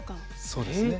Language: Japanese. そうですね。